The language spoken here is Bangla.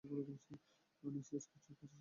আনিসের কাছে অসাধারণ কিছু মনে হয় নি।